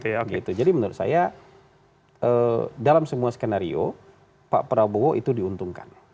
iya gitu jadi menurut saya dalam semua skenario pak prabowo itu diuntungkan